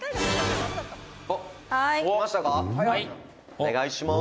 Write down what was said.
「お願いします」